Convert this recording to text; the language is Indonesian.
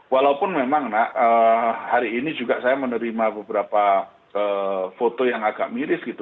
walaupun memang nak hari ini juga saya menerima beberapa foto yang agak miris gitu